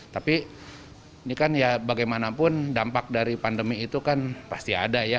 tapi ini kan ya bagaimanapun dampak dari pandemi itu kan pasti ada ya